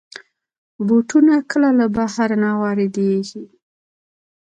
بوټونه کله له بهر نه واردېږي.